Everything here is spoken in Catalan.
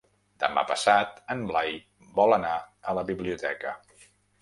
Demà passat en Blai vol anar a la biblioteca.